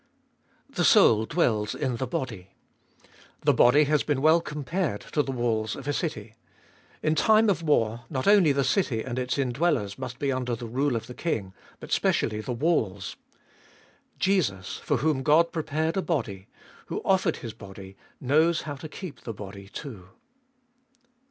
1. The soul dwells In the body. The body has been well compared to the walls of a city. In time of war, not only the city and its ind welters must be under the rule of the king, but specially the walls. Jesus, for whom God prepared a body, who offered His body, knows to keep the body too.